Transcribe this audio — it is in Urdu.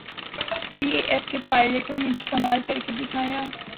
پی اے ایف کے پائلٹوں نے بھی کمال کرکے دکھایا۔